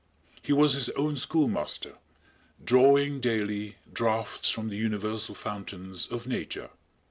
He was his own schoolmaster, drawing daily draughts from the universal fountains of Nature.